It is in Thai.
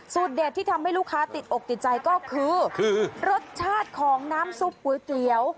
เด็ดที่ทำให้ลูกค้าติดอกติดใจก็คือรสชาติของน้ำซุปก๋วยเตี๋ยว